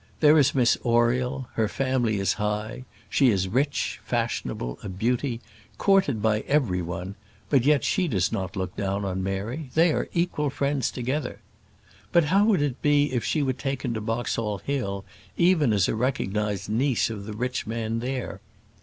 There is Miss Oriel; her family is high; she is rich, fashionable, a beauty, courted by every one; but yet she does not look down on Mary. They are equal friends together. But how would it be if she were taken to Boxall Hill, even as a recognised niece of the rich man there?